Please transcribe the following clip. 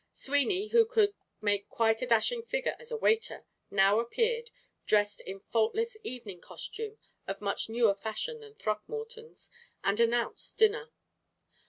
Sweeney, who could make quite a dashing figure as a waiter, now appeared, dressed in faultless evening costume of much newer fashion than Throckmorton's, and announced dinner.